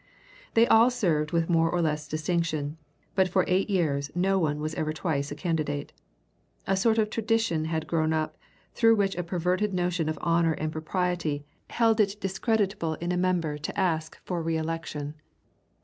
They all served with more or less distinction, but for eight years no one was ever twice a candidate. A sort of tradition had grown up, through which a perverted notion of honor and propriety held it discreditable in a member to ask for reelection.